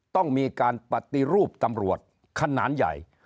ต้องมีการปฏิรูปตำรวจขนาดใหญ่